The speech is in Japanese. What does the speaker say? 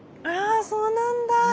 ああそうなんだ！